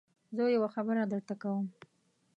زه يوه خبره درته کوم.